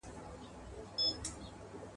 ځوانان د خپل وطن د ژغورني لپاره قرباني ورکوي.